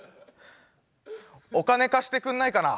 お金貸してくんないかな？